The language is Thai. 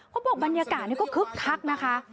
บอกบรรยากาศก็คึกคักนะคะ